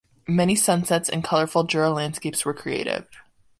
Many sunsets and colourful Jura landscapes were created.